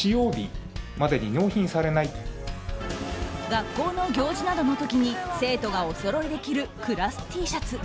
学校の行事などの時に生徒がおそろいで着るクラスＴシャツ。